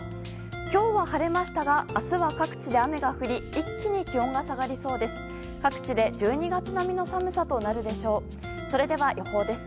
今日は晴れましたが明日は各地で雨が降り一気に気温が下がりそうです。